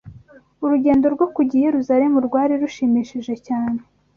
Urugendo rwo kujya i Yerusalemu rwari rushimishije cyane